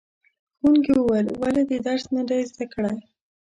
ښوونکي وویل ولې دې درس نه دی زده کړی؟